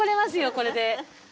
これで。